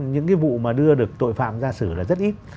những cái vụ mà đưa được tội phạm ra xử là rất ít